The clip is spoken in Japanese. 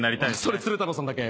それ鶴太郎さんだけ。